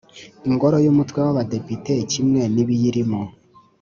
Ingoro y umutwe w abadepite kimwe n ibiyirimo